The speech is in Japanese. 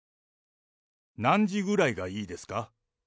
何時ぐらいがいいですか？